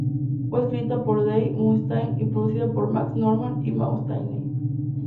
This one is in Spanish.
Fue escrita por Dave Mustaine y producida por Max Norman y Mustaine.